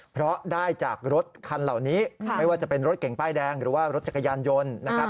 เพราะได้จากรถคันเหล่านี้ไม่ว่าจะเป็นรถเก่งป้ายแดงหรือว่ารถจักรยานยนต์นะครับ